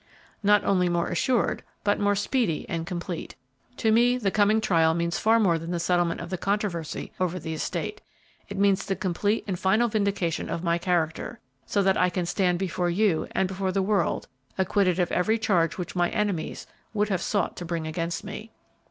"Not only more assured, but more speedy and complete. To me, the coming trial means far more than the settlement of the controversy over the estate; it means the complete and final vindication of my character, so that I can stand before you and before the world acquitted of every charge which my enemies would have sought to bring against me."